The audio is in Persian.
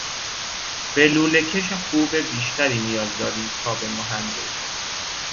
به لولهکش خوب بیشتر نیاز داریم تا به مهندس.